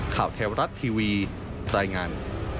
แถวรัฐทีวีรายงาน